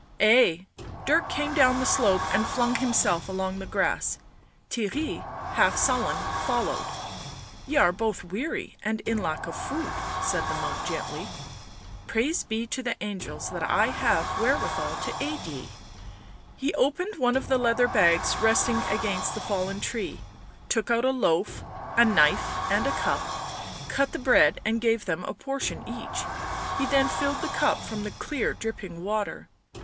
" Ay." Dirk came down the slope and flung himself along the grass ; Theirry, half sullen, followed. " Ye are both weary and in lack of food," said the Digitized by UNIVERSITY OF MICHIGAN Original from UNIVERSITY OF MICHIGAN 76 BLACK MAGIC monk gently. " Praise be to the angels that I have wherewithal to aid ye." He opened one of the leather bags resting against the fallen tree, took out a loaf, a knife and a cup, cut the bread and gave them a portion each, then filled the cup from the clear dripping water.